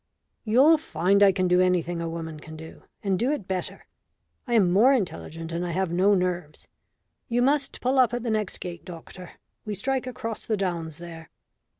"You'll find I can do anything a woman can do, and do it better. I am more intelligent and I have no nerves. You must pull up at the next gate, doctor. We strike across the downs there."